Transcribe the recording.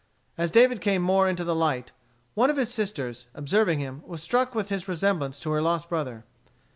As David came more into the light, one of his sisters, observing him, was struck with his resemblance to her lost brother.